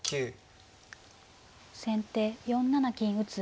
先手４七金打。